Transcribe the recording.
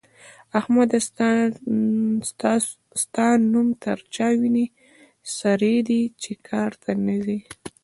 احمده! ستا نو تر چا وينې سرې دي چې کار ته نه ځې؟